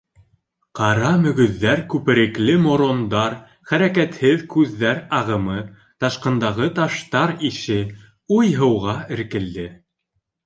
Ҡара мөгөҙҙәр, күперекле морондар, хәрәкәтһеҙ күҙҙәр ағымы, ташҡындағы таштар ише, уйһыуға эркелде.